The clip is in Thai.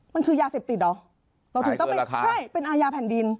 มันคือยาเสพติดเหรอขายเกินราคาใช่เป็นอาญาแผ่นดิน